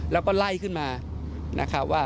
แล้วก็ไล่ขึ้นมานะครับว่า